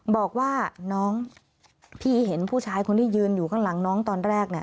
บอกว่าน้องพี่เห็นผู้ชายคนที่ยืนอยู่ข้างหลังน้องตอนแรกเนี่ย